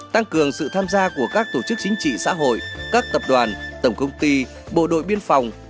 tăng cường sự tham gia của các tổ chức chính trị xã hội các tập đoàn tổng công ty bộ đội biên phòng